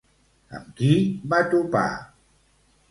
Amb qui va topar?